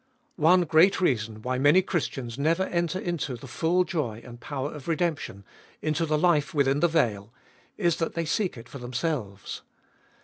One great reason why many Christians never enter into the full joy and power of redemption, into the life within the veil, is that they seek it for themselves.